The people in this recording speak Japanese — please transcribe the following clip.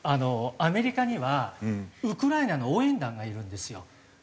アメリカにはウクライナの応援団がいるんですよ。